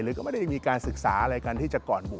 มันก็ไม่ได้มีการศึกษาอะไรกัน